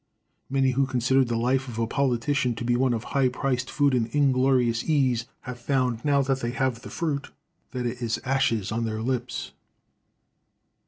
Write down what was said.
Many who considered the life of a politician to be one of high priced food and inglorious ease, have found, now that they have the fruit, that it is ashes on their lips.